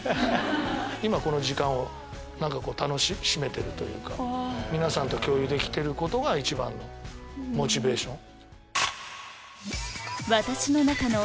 今この時間を楽しめてるというか皆さんと共有できてることが一番のモチベーション。